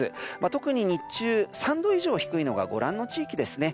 特に日中３度以上低いのはご覧の地域ですね。